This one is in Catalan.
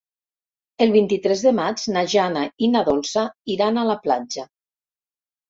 El vint-i-tres de maig na Jana i na Dolça iran a la platja.